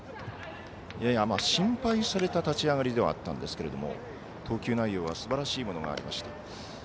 心配された立ち上がりではあったんですけれども投球内容はすばらしいものがありました。